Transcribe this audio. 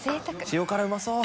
塩辛うまそう！